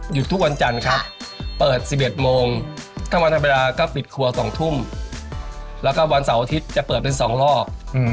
ทุกวันจันทร์ครับเปิด๑๑โมงทั้งวันธรรมดาก็ปิดครัว๒ทุ่มแล้วก็วันเสาร์อาทิตย์จะเปิดเป็น๒รอบ